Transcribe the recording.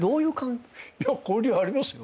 いや交流ありますよ。